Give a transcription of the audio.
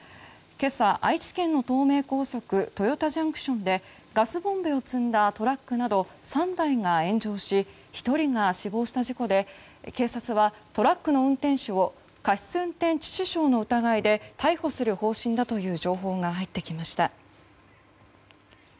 今朝、愛知県の東名高速豊田ＪＣＴでガスボンベを積んだトラックなど３台が炎上し１人が死亡した事故で警察はトラックの運転手を過失運転致死傷の疑いで逮捕する方針だという情報が入ってきました。